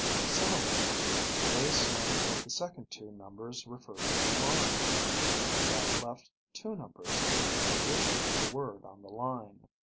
Similarly, they assumed that the second two numbers referred to the line. That left two numbers for the position of the word on the line.